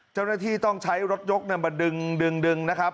เจ้าหน้าที่ต้องใช้รถยกมาดึงนะครับ